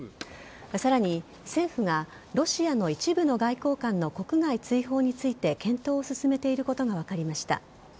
さらに、政府がロシアの一部の外交官の国外追放について検討を進めていることが分かりました。